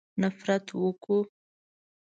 نفرت وکړو.